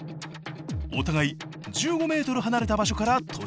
お互い１５ｍ離れた場所から突進。